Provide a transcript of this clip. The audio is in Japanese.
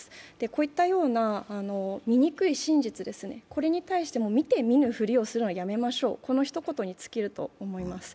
こういったような醜い真実に対しても見て見ぬふりをするのはやめましょう、この一言に尽きると思います。